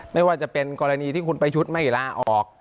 ไม่ว่าจะเป็นกรณีที่คุณประชุดไม่ลาออก